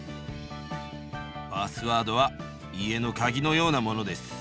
パスワードは家のカギのようなものです。